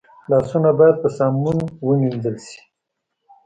لاسونه باید په صابون ومینځل شي